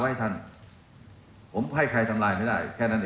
ถึงการปกปรับการพลังกายจันทร์